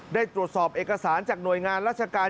ได้ตรวจสอบเอกสารจากหน่วยงานราชการ